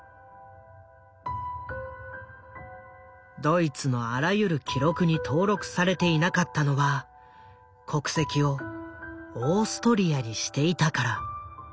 ドイツのあらゆる記録に登録されていなかったのは国籍をオーストリアにしていたから。